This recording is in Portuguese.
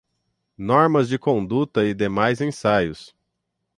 Normas de conduta e demais ensaios